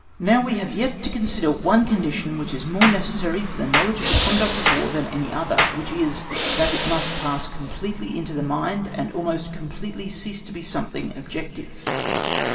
Now we have yet to consider one condition which is more necessary for the knowledge of the conduct of War than for any other, which is, that it must pass completely into the mind and almost completely cease to be something objective.